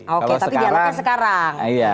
oke tapi dialakkan sekarang